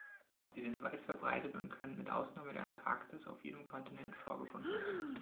Sie sind weit verbreitet und können mit Ausnahme der Antarktis auf jedem Kontinent vorgefunden werden.